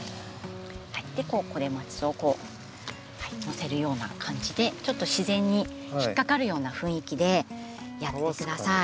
クレマチスをこうのせるような感じでちょっと自然に引っ掛かるような雰囲気でやってください。